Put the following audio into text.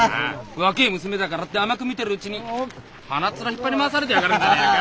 若え娘だからって甘く見てるうちに鼻面引っ張り回されてやがるんじゃねえのか？